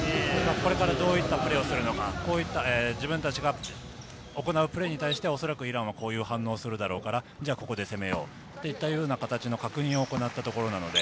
これからどういったプレーをするのか、自分たちが行うプレーに対して、おそらくイランはこういう反応するだろうから、ここで攻めようというような形の確認を行ったところです。